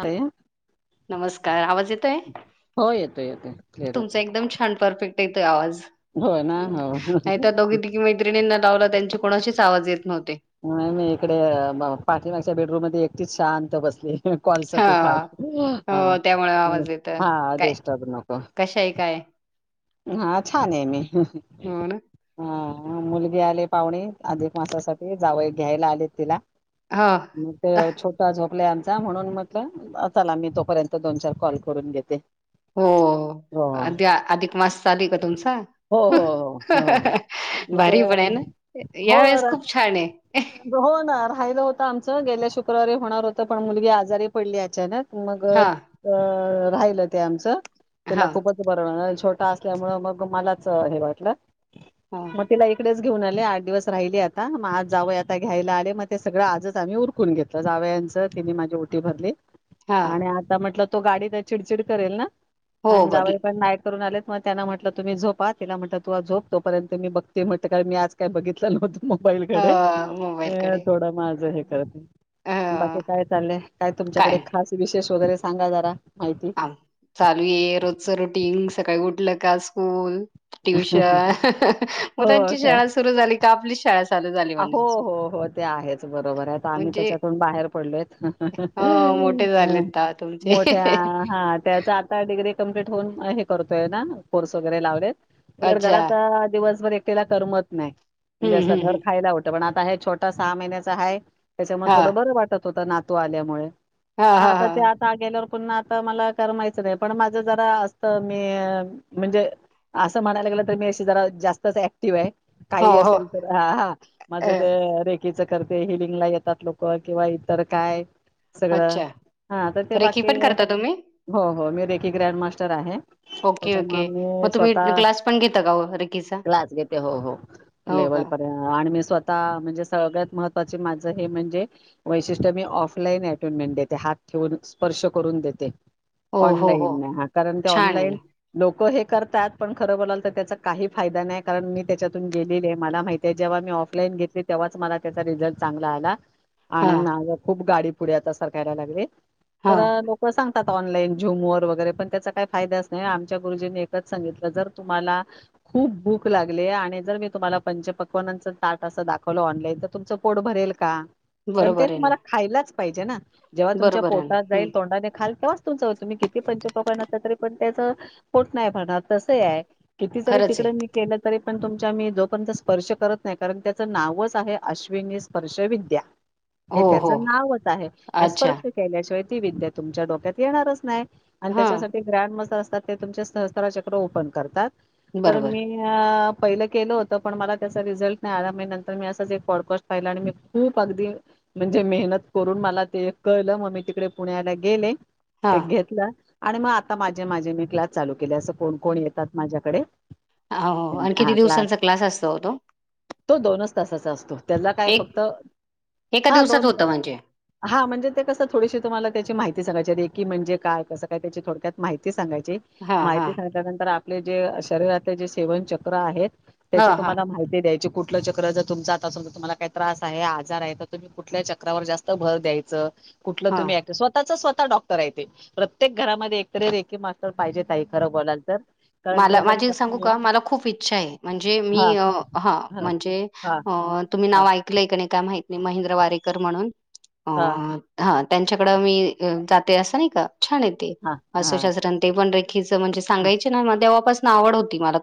अरे नमस्कार आवाज येतोय हो येतो येतोय क्लिअर तुमचा येतोय एकदम छान परफेक्ट येतोय आवाज हो ना हो नाही तर दोघी तिघी मैत्रिंना लावला त्यांचे कोणाचेच आवाज येत नव्हता नाही मी इकडे ब पाठीमागच्या बेडरूम मध्ये एकटीच शांत बसली हम्म हा कॉलसाठी खास हा ह हा, हो त्यामुळे आवाज येतोय. हा, हा काय डिस्टर्ब नको कशा आहे काय? हा छान हे मी हा हो ना हा मुलगी आले पाहुणे अधिक मासासाठी जावई घ्यायला आलेत तिला हा मग ते छोटा झोप पल्या आमचा म्हणून म्हटलं अ चला मी तोपर्यंत दोन चार कॉल करून घेते हो हो अध्य अधिकमास चालु का तुमचा हो हो हो हो मग ते भारी पण हेना या वेळेस हो खूप छान हे हो ना राहिलं होतं आमचं गेले शुक्रवारी होणार होतं पण मुलगी आजारी पडली अचानक मग अ हा राहिलं ते आमचं त्याला हा खुपच बरं छोटा असल्यामुळं मग मलाचं हे वाटलं हा मग तिला इकडेच घेऊन आले आठ दिवस राहिले आता म आज जावई आता घ्यायला आले मग ते सगळं आजचं आम्ही उरकून घेतलं जावयां च तीनी माझी उटी भरली हा आणि आता म्हटलं तो गाडीत चिडचिड करेल ना हो अन् बर जावई पण नाईट करून आलेत मग त्याना म्हटलं तुम्ही झोपा तीला म्हटलं तु अ झोप तोपर्यंत मी बघते म्हटतं कारण मी आज काय बघितलं नव्हतं अ मोबाईलकडे अ मोबाईलकडे थोडं माझ हे अ बाकी काय चाललंय काय तुमच्याकडे खास विशेष वगैरे सांगा जरा माहिती काम चालुये रोजचं रुटीन सकाळी उठलं का स्कूल ट्युशन मग त्यांची शाळा सुरु झाली का आपली शाळा चालू झाली आ हो, म्हणायची हो, हो ते आहेच बरोबर आहे तआम्ही म्हणजे त्याच्यातून बाहेर पडलोयेत अ मोठे हम झालेत आ तुमचे मोठ्या हा त्याच आता डिग्री कंप्लीट होऊन हे करतोय ना कोर्स वगैरे लावलेत मला अच्छा घरात दिवसभर एकटीला करमत नाही हम्म, हम्म, हम्म तर आता हे छोटा सहा महिन्याचा आहे त्याच्यामुळे हा थोडं बरं वाटत होत नातू आल्यामुळे हा हा आता हा ते आता गेल्यावर पुन्हा आता मला करमायचं नाही पण माझं जरा असत मी म्हणजे असं म्हणायला गेलं तर मी अशी जरा जास्तच ऍक्टिव्ह आहे हो काही हो असेल तर हा हा माझ अ तेे रेग कीच करते हिलिंगला येतात लोक किंवा इतर काय सगळं अच्छा हा तर ते रेकी बाकी पण करता तुम्ही हो हो मी देखील ग्रँड मास्टर आहे. ओके त्याच्यामुळ ओके मग मी तुम्ही स्वतः क्लास पण घेता का हो रेकीचा क्लास घेते हो हो हो का [unintelligible] आणि मी स्वतः म्हणजे सगळ्यात महत्त्वाचे माझ हे म्हणजे वैशिष्ट्य मी ऑफलाईन अटोन मेंट देते हात ठेवून स्पर्श करून देते. हो हो हो ऑनलाईन हा कारण ते छान आहे ऑनलाईन ना लोकं हे करतात पण खरं बोलाल तर त्याचा काही फायदा नाही कारण मी त्याच्यातून गेलेलली आहे मला माहित ते जेव्हा मी ऑफलाईन घेतली तेव्हाच मला त्याचा रिझल्ट चांगला आला हा आणि माझ खूप गाडी पुढे आता सारखायला लागले हा तर लोक सांग त्यात ऑनलाईन झूम वर वगैरे पण त्याचा काही फायदाच नाही आमच्या गुरुजींनी एकच सांगितलं जर तुम्हाला खूप भूक लागली आहे आणि जर मी तुम्हाला पंच पक् पक्वानाच ताट अस दाखवलं ऑनलाईन तर तुमचं पोट भरेल का पण ते बरोबर आहे ना तुम्हाला खायलाच पाहिजे ना जेव्हा तुमच्या बरोबर आहे ना पोटात हम्म जाईल तोंडाने खाल तेव्हा तुमचं तुम्ही किती पंच पक्वान्न असल तरी पण पाई त्याच पोट नाही भरणार तस आहे किती जरी खरंच तिकड आहे मी केलं तरी पण तुमच्या मी जोपर्यंत स्पर्श करत नाही कारण त्याचं नावच आहे अश्विनी स्पर्श विद्या. हे हो हो त्याचं नावच आहे अच्छा स्पर्श केल्याशिवाय ती विद्या तुमच्या डोक्यात येणारच नाही. आणि हा त्याच्यासाठी ग्रँड मास्टर असतात ते तुमच्या सहस्त्रा चक्र ओपन करतात. तर बरोबर. मी पहिलं केलं होत. पण मला त्याचा रिजल्ट नाही आला मी नंतर मी असच प्रॉडकास्ट पाहिला आणि मी खुप अगदी म्हणजे मेहनत करून मला ते कळलं मग मी तिकडे पुण्याला गेले हा. ते घेतलं आणि मग आता माझे माझे मी क्लास चालू केले असं कोण कोण येतात माझ्याकडे हो हो आणि किती दिवसांचा क्लास असतो ओ तो? तो दोनच तासाचा असतो त्याला काय एक फक्त एका हा दिवसात दोन होतं तास म्हणजे? हा म्हणजे ते कसं थोडीशी तुम्हाला त्याची माहि ते सांगायचे एकी म्हणजे काय कस काय त्याची थोडक्यात माहिती सांगय चे हां, हां. माहिती सांगितल्यानंतर आपले जे शरीरातले जे सेवन चक्र आहेत. त्याची हां, हां. तुम्हाला माहिती द्याय कुठलं चक्र जर तुमच आता समज तुम्हाला काय त्रास आहे आजार आहे तर तुम्ही कुठल्या चक्रावर जास्त भर द्यायचं कुठलं हां. तुम्ही ऐकता स्वतःच स्व डॉक्टर आहे ते प्रत्येक घरामध्ये एकतरी रेखी मास्टर पाहिजे ताईं खरं बोलाल तर कारण ते मला जर माझी सांगू नसेल ना का मला खूप इच्छा आहे म्हणजे हां, मी अं हं हां, म्हणजे हां, तुम्ही अं हां, नाव ऐकलंय का नाही का माहीत नाही महिंद्रा वारेकर म्हणून हां, अं हा त्यांच्याकडं मी जात ते अस नाही का छान आहेत ते हां, हां. अस्त्रशास्त्र अन ते पण रेखीच म्हणजे सांगायच तेव्हा पासन आवड होती मला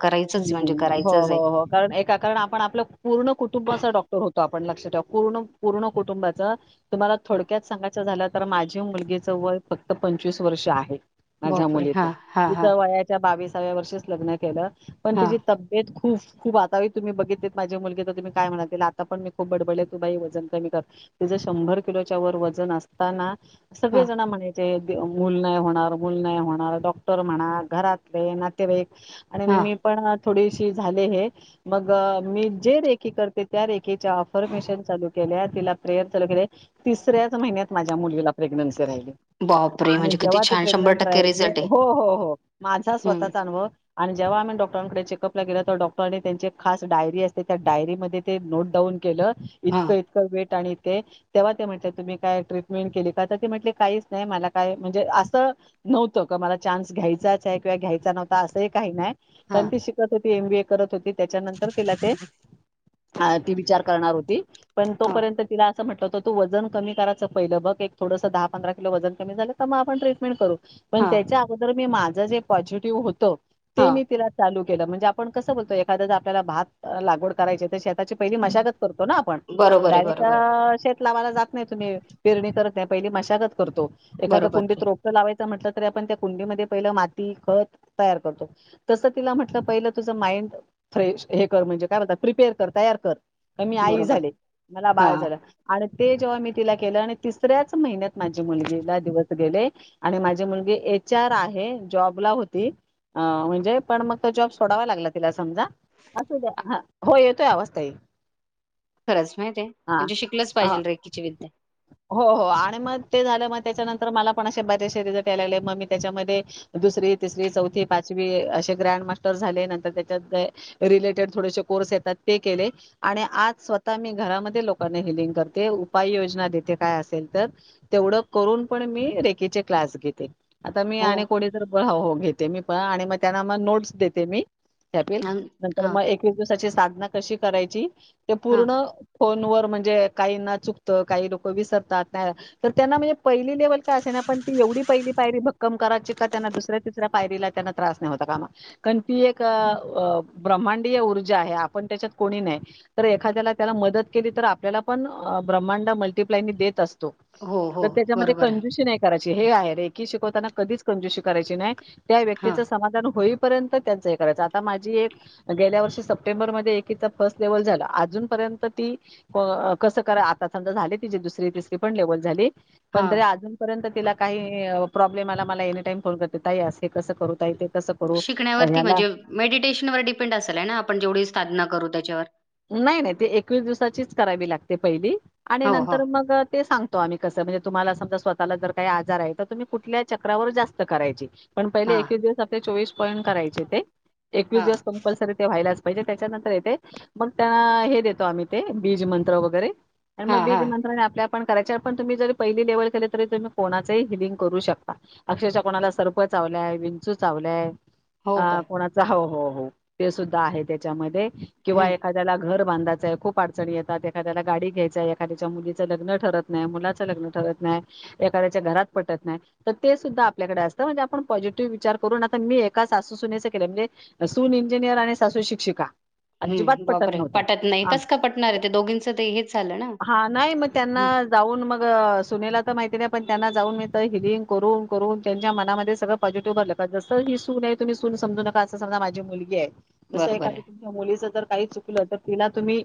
म्हणजे हम्म हो करायचंच हो आहे. हो कारण एका कारण आपण आपलं पूर्ण कुटुंबाचा डॉक्टर होतो आप पण लक्षात ठेवा पूर्ण पूर्ण कुटुंबाचा तुम्हाला थोडक्यात सांगायचं झाल तर माझी मुलगीच वय फक्त पंचवीस वर्ष आहे माझ्या बापरे! मुलीच् हां, हां, हां, तिच्या वयाच्या बावीस ताव्या वर्षीच लग्न केल पण हां, तिजी तब्येत खुप खूप खूप आता ही तुम्ही बघितले तर माझ्या मुलगी तर तुम्ही काय म्हणाल तिला आता पण मी खूप बडबडले तु बाई वजन कमी कर तिज शंभर किलोच्या वर वजन असताना हां, सगळे जण म्हणायचे मूल नाही होणार, मूल नाही होणार, डॉक्टर म्हणा, घरातले, नातेवाईक आणि हां. मी पण थोडीशी झाले हे मग, मी जे रेखी करते, त्या रेखीच्या आफरमेशन चा चालू केल्या तिला प्रेयर चालू केलय तिसऱ्याच महिन्यात माझ्या मुलीला प्रेग्नन्सी राहिली. बापरे! आणि म्हणजे किती जेव्हा ती छान प्रेग्नंट राहिली, रिझल्ट आहे. हो हो हो माझा हं. स्वतःचा अनुभव आणि जेव्हा आम्ही डॉक् डॉक्टरांकडे चेकअपला गेल तर डॉक्टरांनी त्यांची खास डायरी असते त्या डायरीमध्ये ते नोट डाऊन केलं. हां, इतकं इतकं वेट आणि ते तेव्हा ते म्हटले तुम्ही काय ट्रीटमेंट केली का तर ते म्हटले काहीच नाही मला काय अं म्हणजे असं नव्हतं का मला चान्स घ्यायचाचे किंवा घ्यायचा नव्हता असंही काही नाही. हां, कारन ती शिकत होती एम बी ए करत होती. त्याच्यानंतर तिला ते ती विचार करणार होती पण हां, तोपर्यंत तिला त म्हटलं होत तू वजन कयचं पहिलं बघ एक थडसं दहा पंधरा किलो वजन कमी झालं त म आपण ट्रीटमेंट करू. पण हां, त्याच्या अगोदर मी माझं जे पॉझिटिव्ह होत ते हां. मी तिला चालू केलं म्हणजे आपण कस बोलतो एखाद ज आपल्याला भात लागवड करायचीय त शेता ची पहिली मशागत करतो ना आपण? बरोबर आहे, डायरेक्टं बरोबर आहे. अं शेत लावायला जात नाही तुम्ही पिरणी करत नाही पहिली मशा गत करतो. एखादं बरोबर आहे. कुंडीत रोपटं लावाय च म्हटल तरी आपण त्या कुंडीमध्ये पहिल माती खत तयार करतो तस तिला म्हटलं पहिलं तुझं माइंड फ्रेश हे कर म्हणजे काय म्हणतात प्रिपेअर कर तयार कर. की मी आई बरोबर. झाले, मला बाळ हां. झालं आणि ते जेव्हा मी तिला केलं आणि तिसऱ्याच महिन्यात माझी मुलगीला दिवस गेले आणि माझी मुलगी ए एच आर आहे. जॉबला होती, अं म्हणजे पण मग तो जॉब सोडावा लागला तिला समजा, असू द्या हो येतोय आवाज ताई. खरंच माहित्येय म्हणजे शिकलंच हा पाहिजेल रेकीची विद्या. हो हो आणि मग ते झालं म त्याच्या नंतर मला पन असे बरेचसे रिझल्ट यायला लागले, म मी त्याच्यामध्ये दुस री, तिसरी, चौथी, पाचवी, आशे ग्रँड मास्टर झाले नंतर तेच्यात रिलेटेड थोडेसे कोर्से त ते केले, आणि आज स्वतः मी घरामधे लोकांना हलिंग करते उपाय योजना दे ते काय असेल तर तेवढं करून पण मी रेकी चे क्लास घेते. आता मी हो. आणि कोणी जर ब हो हो घेते मी पण आणि म त्यांना म नोट्स देते मी. त्यातील अन् नंतर हां, मग एकवीस दिवसाची साधना कशी करायची ते हां. पूर्ण फोन वर म्हणजे काही ना चुकत, काही लोक विसरतात तर त्यांना म्हणजे पहिली लेवल का असे ना पण ती एवढी पहिली पायरी भक्कम करायची का, त्यांना दुसऱ्या, तिसऱ्या पायरीला, त्यांना त्रास नाही होता कामा, कारण ती एक अं ब्रम्हांड डीय ऊर्जा आहे. आपण त्याच्यात कोणी नाही. एखाद्याला त्याला मदत केली तर आपल्याला पण ब्रहांड मल्टीप्लाय नी देत असतो, हो, त हो. त्याच्यामधे बरोबर आहे. कंजुषी नाही कराय ची हे आहे रेकी शिकवताना कधीच कंजुषी करायची नाही त्या हां, व्यक्तीच समाधान होई पर्यंत त्यांच हे करायच. आता माझी एक गेल्या वर्षी सप्टेंबर एकीचं फर्ट लेवल झालं. आजूनपर्यंत ती कसं करा आता समजा झालेत तिची दुसरी, तीसरी पण लेवल झाली, पण हां. तरी आजून पर्यंत तिला काही अं प्रॉब्लेम आला मला एनी टाइम फोन करते, ताई आसं कसं करू? ताई ते कसं करू शिकण्या वरती ह्याला म्हणजे मेडिटेशनवर डिपेंड असेल हयना, आपण जेवढी साधना करू त्याच्यावर. नाही नाही ते एकवीस दिवसाचीच करावी लागते पहिली आणि हो, हो. नंतर मग ते सांगतो आम्ही. कसं म्हणजे तुम्हाला समजा स्वतःला जर काही आजार आहे, तर तुम्ही कुठल्या चक्रावर जास्त करायची. पण पहिले हां, एकवीस दिवस आपले चोवीस पॉईंट करायचे ते, एकवीस हां, दिवस कंपल्सरी ते व्हायलाच पाहिजे, त्याच्यानंतर येते मग त्या हे देतो आम्ही ते बीज मंत्र वगैरे, आणि मग हां, बीज हां. मंत्राने आपल्या पण करायच्या पण तुम्ही जरी पहिली लेवल केले तरी, तुम्ही कोणाचही हिलिंग करू शकता अक्षरक्षः कोणाला सर्प चावलाय, विंचू चावलाय हो अ का? कोणाच हो हो हो ते सुद्धा आहे त्याच्यामध्ये. किंवा हम्म. एखाद्याला घर बांधाचंय खूप अडचणी येतात, एखाद्याला गाडी घ्यायचय, एखाद्याच्या मुलीचं लग्न ठरत नाही, मुलाचं लग्न ठरत नाही, एखाद्याच्या घरात पटत नाय, त ते सुद्धा आपल्याकडं असत म्हणजे आपण पॉझिटिव्ह विचार करून मी एका सासू सुनेच केलय म्हणजे सून इंजिनियर आणि सासू शिक्षिका अजिबात हं. बापरे नव्हतं पटत नाही हा कस का पटणार आहे ते दोघीच हेच झालं. ना. हा नाही मग त्यांना हं. जाऊन मग सुनेला त माहिती नाही. पण त्यांना जाऊन मी तर हिलिंग करून करून त्यांच्या मनामध्ये सगळं पॉझिटिव्ह भरलं जसं ही सूने तुम्ही सून समजू नका असं समजा माझी मुलगीये. जस बरोबर आहे. एखाद्या तुमच्या मुलीच जर काही चुकलं तर तिला तुम्ही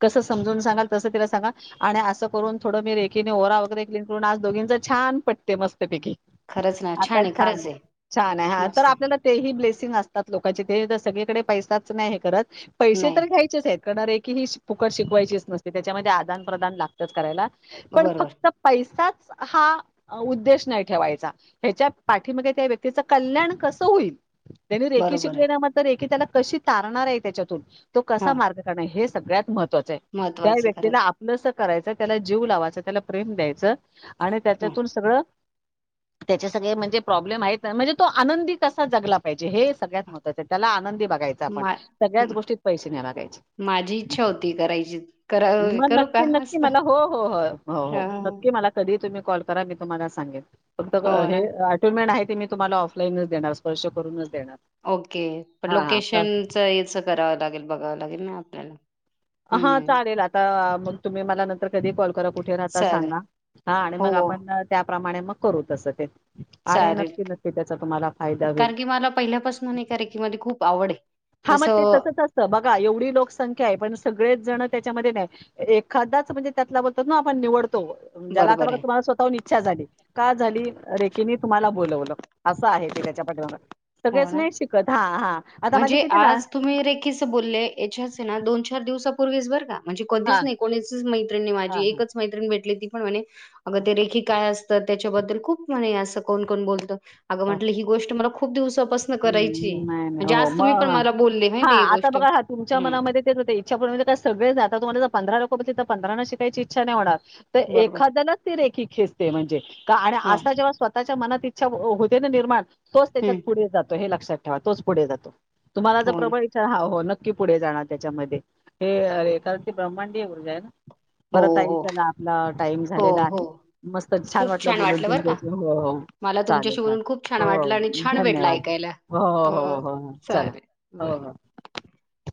कसं समजून सांगाल? तसं तिला सांगा आणि असं करून थोडं मी रेखीने ओरा वगैरे क्लीन करून आज दोघींच छान पटते मस्तपैकी खरंच ना आता आहे छान खरंच आहे छान आहे. हा तर मस्त आहे आपल्याला ते ही ब्लेस सिंग असतात. लोकाचे ते जर सगळीकडे पैसाच नाही. हे करत पैसे तर नाही घ्यायचेच आहेत कारण रेखी ही फुकट शिकवायचीच नसते त्याच्यामध्ये आदान प्रदान लागतच करायला पण बरोबर फक्त पैसाच हा उद्देश नाही ठेवायचा ह्याच्या पाठीमागे त्या व्यक्तीचं कल्याण कसं होईल. त्यांनी रेकी बरोबर शिकली आहे ना मग तर रेकी त्याला कशी तारणार आहे त्याच्यातून तो हा कसा मार्ग काढणार हेच सगळ्यात महत्वाचं आहे. त्या महत्वाचं आहे व्यक्तीला खरंच आपलंस करायच त्याला जीव लावायच, त्याला प्रेम द्यायचं आणि हं. त्याच्यातून सगळं [inaudible] त्याचे सगळे म्हणजे प्रॉब्लेम आहेत. ना म्हणजे तो आनंदी कसा जगला पाहिजे हे सगळ्यात महत्त्वाचं आहे त्याला आनंदी बघ याचं आपण मा सगळ्याच हं, गोष्टीत पैसे नाय मागायचे माझी इच्छा होती करायची करा मग करू का नक्की नक्की मस्त मला हो, हो, हो, अ, हो नक्की मला कधी तुम्ही कॉल करा मी तुम्हाला सांगेन फक्त हो हे ना ऑटोमॅन आहेत. ते मी तुम्हांला ऑफलाईनच देणार स्पर्श करूनच देणार ओके पण हा हा का- लोकेशनच याचं करावं लागेल बघावं लागेल ना आपल्याला हा हं. चालेल आता मग तुम्ही मला नंतर कधी कॉल करा कुठे राहता चालेल सांगा हा आणि हो मग आपण त्याप्रमाणे मग करू तस ते आणि चालेल नक्की नक्की त्याचा तुम्हांला फायदा होईल. कारण की मला पहिल्यापासून एका रेकीमध्ये खूप आवड आहे हा मग ते असं तसच असतं बघा एवढी लोकसंख्या आहे पण सगळेच जण त्याच्यामध्ये नाहीत म्हणजे एखादाचं म्हणजे त्यातला बोलतात ना आपण निवड तो ज्याला आता बरोबर बघा आहे तुम्हाला स्वतःहून इच्छा झाली का झाली रेकी नी तुम्हाला बोलवलं अस आहे. ते त्याच्या पाठीमागं हो सगळेच ना नाही शिकत हा हा आता माझी म्हणजे आज तुम्ही रेखीच बोलले याच्याचे ना दोन चार दिवसापूर्वीच बर का म्हणजे कधीच हां, नाही कोणीसच मैत्रिणी माझी हां, हां. एकच मैत्रिणी भेटली ती पण म्हणे अगं ते रेखी काय असते? त्याच्याबद्दल खूप म्हणे अस कोण कोण बोलतं अगं म्हटलं ही गोष्ट मला खूप दिवसापासून ह करायची आहे. नाही म्हणजे नाही हो आज तुम्ही पण मग मला बोलले हा माहिती आहे ही आता गोष्ट. बघा हा तुमच्या हं, मनामध्ये तेच होते. इच्छा पूर्ण होते म्हणजे सगळे जातात. पंधरा लोक तर पंधरांना शिकायची इच्छा नाही होणार तर बरोबर. एखाद्यालाच ती रेखी खेचते म्हणजे का आणि हां, असा जेव्हा स्वतःच्या मनात इच्छा होते ना निर्माण तोच त्याच्यात हं. पुढे जातो हे लक क्षात ठेवा तोच पुढे जातो. तुम्हाला जर हो ना. प्रबळ इच्छा हा हो न क्की पुढे जाणार त्याच्यामध्ये हे अरे एखादा ते ब्रह्मांडीय ऊर्जा आहे ना हो, बर ताई हो. चला आपला टाइम हो, झालेला आहे हो. मस्त छान खूप वाटलं बोलून बरं का. तुमच्याशी हो हो मला चालेल, तुमच्याशी बोलून चालेल. खूप छान हो, वाटलं आणि छान भेटलं धन्यवाद. ऐकायला. हो चालेल बरं [unintelligible]